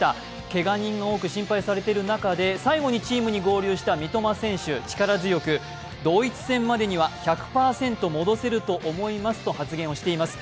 けが人が多く心配されている中で最後にチームに合流した三笘選手、力強くドイツ戦までには１００％戻せますと発言しています。